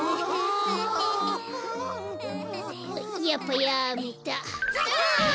やっぱやめた。